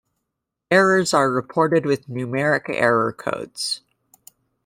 Errors are reported with numeric error codes.